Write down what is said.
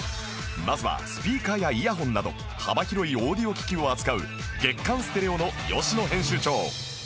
まずはスピーカーやイヤホンなど幅広いオーディオ機器を扱う月刊『ｓｔｅｒｅｏ』の吉野編集長